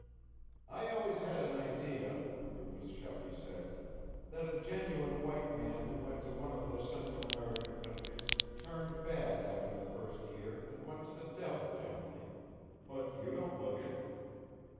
"I always had an idea," Rufus Shepley said, "that a genuine white man who went to one of those Central American countries turned bad after the first year and went to the devil generally. But you don't look it."